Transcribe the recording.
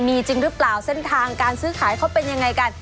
มีจริงหรือเปล่าเส้นทางการซื้อขายเขาเป็นยังไงกัน